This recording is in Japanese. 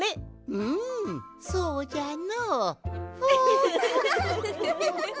うんそうじゃの。